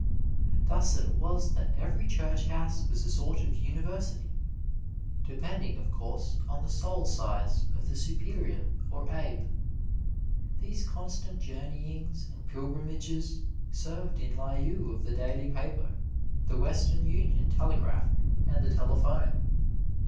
Thus it was that every church house was a sort of university, depending of course on the soul size of the Superior or Abbe. These constant journeyings and pilgrimages served in lieu of the daily paper, the Western Union Telegraph, and the telephone.